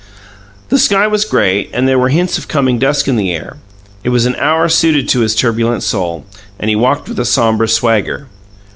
The sky was gray, and there were hints of coming dusk in the air; it was an hour suited to his turbulent soul, and he walked with a sombre swagger.